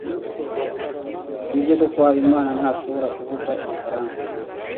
Nibyo koko Habimana ntashobora kuvuga igifaransa?